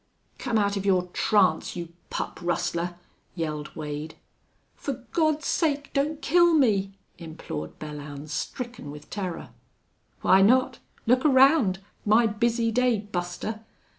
"Come out of your trance, you pup rustler!" yelled Wade. "For God's sake, don't kill me!" implored Belllounds, stricken with terror. "Why not? Look around! My busy day, Buster!...